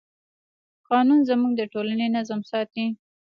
قانون زموږ د ټولنې نظم ساتي.